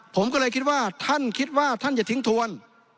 ผมก็เลยคิดว่าท่านคิดว่าท่านอย่าทิ้งทวน